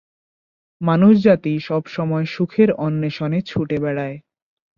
মানুষ জাতি সবসময় সুখের অন্বেষণে ছুটে বেড়ায়।